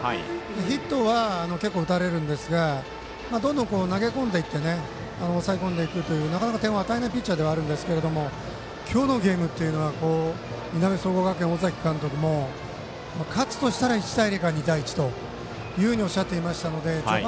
ヒットは、結構打たれるんですがどんどん投げ込んでいって抑え込んでいくなかなか点を与えないピッチャーではあるんですけども今日のゲームはいなべ総合学園の尾崎監督も勝つとしたら１対０か２対１だとおっしゃっていたので序盤